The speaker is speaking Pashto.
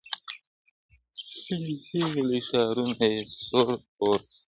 ښکلي سیمي لوی ښارونه یې سور اور کړ؛